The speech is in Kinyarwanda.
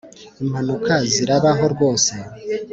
impanuka zirabaho rwose